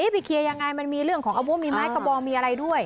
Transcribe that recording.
ไปเคลียร์ยังไงมันมีเรื่องของอาวุธมีไม้กระบองมีอะไรด้วย